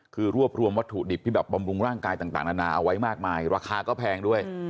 คือรวบรวมวัตถุดิบที่แบบบำรุงร่างกายต่างนานาเอาไว้มากมายราคาก็แพงด้วย